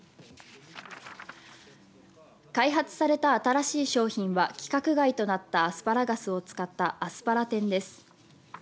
開発された新しい商品は規格外となったアスパラガスを使ったアスパラ天です。